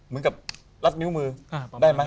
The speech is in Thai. เหมือนกับรัดนิ้วมือได้ไหม